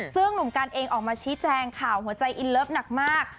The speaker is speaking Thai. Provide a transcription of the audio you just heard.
ซึ่งหนุ่มกันเองออกมาชี้แจงข่าวหัวใจอินเลิฟหนักมาก